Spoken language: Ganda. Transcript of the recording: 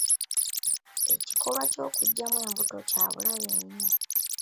Ekikolwa ky'okuggyamu embuto kya bulabe nnyo